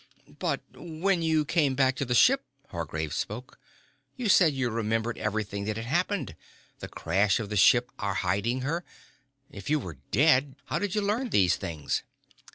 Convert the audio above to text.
"But when you came back to the ship," Hargraves spoke, "you said you remembered everything that had happened, the crash of the ship, our hiding her. If you were dead, how did you learn these things?"